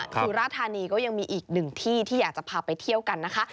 สุราธานีก็ยังมีอีกหนึ่งที่ที่อยากจะพาไปเที่ยวกันนะคะ